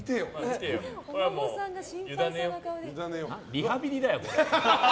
リハビリだよ、これ。